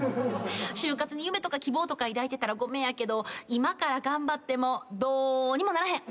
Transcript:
就活に夢とか希望とか抱いてたらごめんやけど今から頑張ってもどにもならへん。